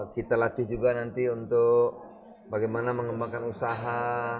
kita latih juga nanti untuk bagaimana mengembangkan usaha